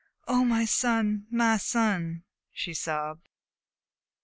"Oh, my son! my son!" she sobbed.